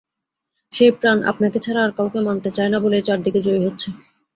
সেই প্রাণ আপনাকে ছাড়া আর-কাউকে মানতে চায় না বলেই চার দিকে জয়ী হচ্ছে।